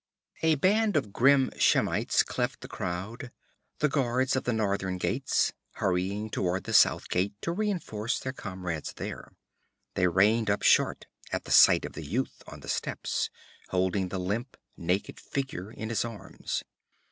A band of grim Shemites cleft the crowd the guards of the northern gates, hurrying toward the south gate to reinforce their comrades there. They reined up short at the sight of the youth on the steps, holding the limp, naked figure in his arms.